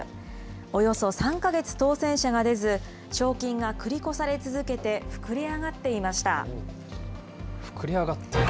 およそ３か月当せん者が出ず、賞金が繰り越され続けて膨れ上がっていました。